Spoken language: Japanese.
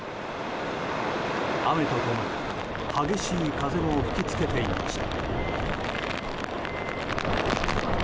雨と共に激しい風も吹きつけていました。